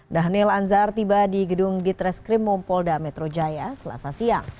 dhanil anzar tiba di gedung di treskrim mumpolda metro jaya selasa siang